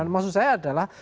maksud saya adalah